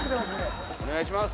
お願いします。